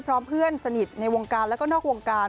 พร้อมเพื่อนสนิทในวงการแล้วก็นอกวงการ